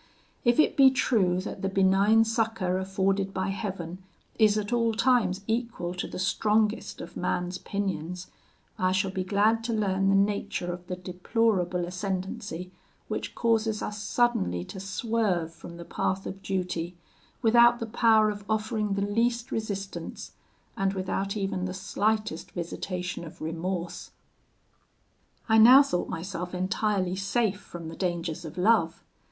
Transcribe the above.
If it be true that the benign succour afforded by Heaven is at all times equal to the strongest of man's pinions, I shall be glad to learn the nature of the deplorable ascendancy which causes us suddenly to swerve from the path of duty, without the power of offering the least resistance, and without even the slightest visitation of remorse. "I now thought myself entirely safe from the dangers of love.